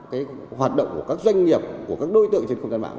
cái hoạt động của các doanh nghiệp của các đối tượng trên công ty mạng